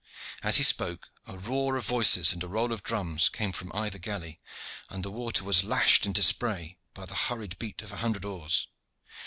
As he spoke a roar of voices and a roll of drums came from either galley, and the water was lashed into spray by the hurried beat of a hundred oars.